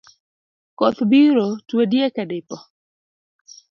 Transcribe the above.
Koth biro twe diek e dipo.